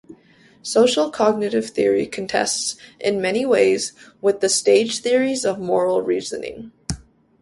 Social cognitive theory contests, in many ways, with the stage theories of moral reasoning.